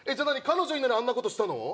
彼女いんのにあんなことしたの？